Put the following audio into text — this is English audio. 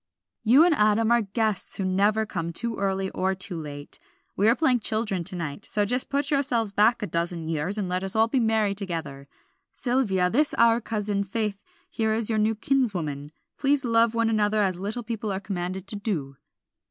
"You and Adam are guests who never come too early or too late. We are playing children to night, so just put yourselves back a dozen years and let us all be merry together. Sylvia, this our cousin, Faith here is your new kinswoman. Please love one another as little people are commanded to do."